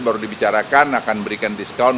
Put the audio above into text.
baru dibicarakan akan berikan diskon